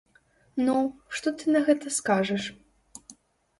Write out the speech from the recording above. Ну, што ты на гэта скажаш?